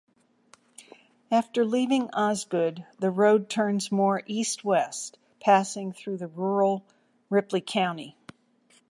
After leaving Osgood the road turns more east-west passing through rural Ripley County.